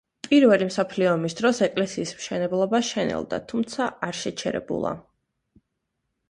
პირველი მსოფლიო ომის დროს ეკლესიის შენებლობა შენელდა, თუმცა არ შეჩერებულა.